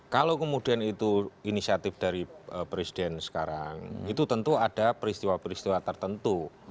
kalau kemudian itu inisiatif dari presiden sekarang itu tentu ada peristiwa peristiwa tertentu